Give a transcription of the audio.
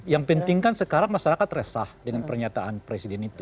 yang penting kan sekarang masyarakat resah dengan pernyataan presiden itu